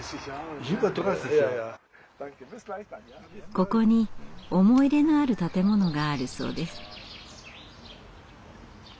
ここに思い入れのある建物があるそうです。